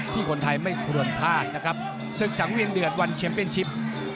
คนไทยไม่ควรพลาดนะครับศึกสังเวียนเดือดวันแชมเป็นชิป